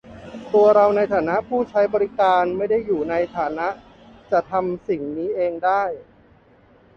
ตัวเราในฐานะผู้ใช้บริการไม่ได้อยู่ในฐานะจะทำสิ่งนี้เองได้